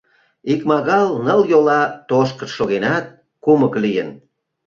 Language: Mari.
Икмагал ныл йола тошкышт шогенат, кумык лийын.